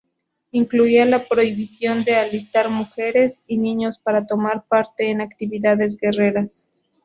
Incluía la prohibición de alistar mujeres y niños para tomar parte en actividades guerreras.